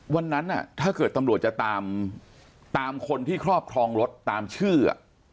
ถ้าเกิดตำรวจจะตามคนที่ครอบครองรถตามชื่อ